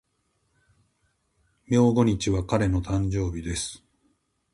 明後日は彼の誕生日です。